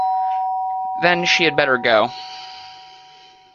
Then she had better go.